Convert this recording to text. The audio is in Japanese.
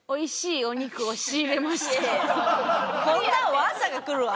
こんなのわんさか来るわ！